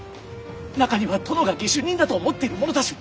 中には殿が下手人だと思っている者たちも！